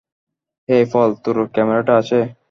হেই, Paul, তোর ক্যমেরাটা আছে?